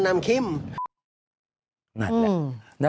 นั่นนั่นแหละ